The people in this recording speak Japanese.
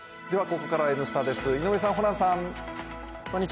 ここからは「Ｎスタ」です、井上さん、ホランさん。